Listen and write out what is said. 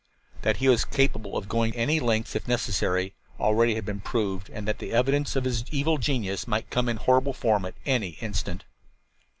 That he was capable of going any lengths, if necessary, already had been proved; and the evidence of his evil genius might come in horrible form at any instant.